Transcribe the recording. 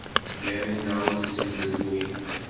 Yamina ur tettemlelluy.